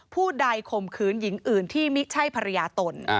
ผู้ใดข่มขืนหญิงอื่นที่ไม่ใช่ภรรยาตน